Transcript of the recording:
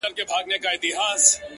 • زه د یویشتم قرن ښکلا ته مخامخ یم؛